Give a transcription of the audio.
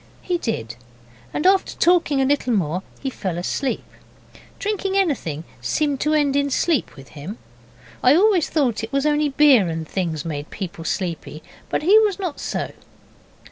He did, and after talking a little more he fell asleep. Drinking anything seemed to end in sleep with him. I always thought it was only beer and things made people sleepy, but he was not so.